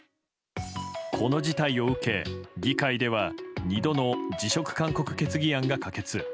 この事態を受け、議会では２度の辞職勧告決議案が可決。